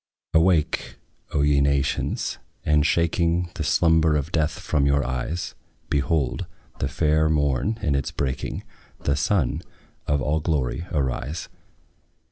Awake, O ye nations, and, shaking The slumber of death from your eyes, Behold the fair morn in its breaking, The SUN of all glory arise.